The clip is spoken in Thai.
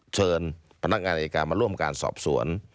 เชิญพนักงานอายการมาร่วมการสอบสวน